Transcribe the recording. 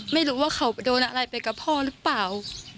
ไม่รู้ว่าเขาไปโดนอะไรไปกับพ่อหรือเปล่า